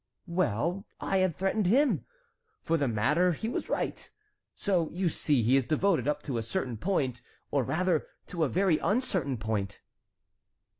"Well, I had threatened him! For that matter he was right. So you see he is devoted up to a certain point, or rather to a very uncertain point."